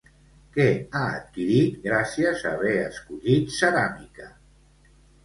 Què ha adquirit, gràcies a haver escollit ceràmica?